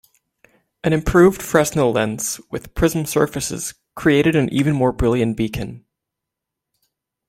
An improved Fresnel lens with prism surfaces created an even more brilliant beacon.